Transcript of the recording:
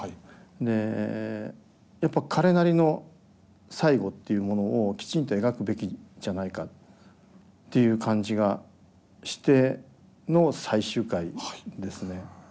でやっぱ彼なりの最期っていうものをきちんと描くべきじゃないかっていう感じがしての最終回ですね。